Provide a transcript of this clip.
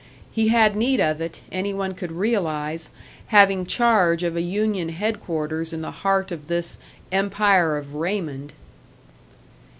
He had need of it, any one could realise, having charge of a union headquarters in the heart of this "Empire of Raymond"!